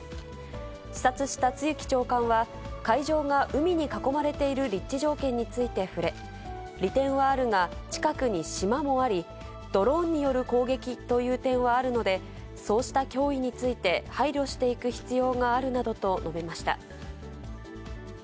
視察した露木長官は、会場が海に囲まれている立地条件について触れ、利点はあるが、近くに島もあり、ドローンによる攻撃という点はあるので、そうした脅威について配慮していく必要があるなどと述べました。